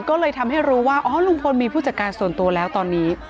ก็เลยทำให้รู้ว่าอ๋อลุงพลมีผู้จัดการส่วนตัวแล้วตอนนี้